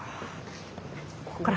こっから？